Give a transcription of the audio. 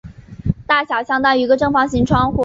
大小相当于一个正方形窗户。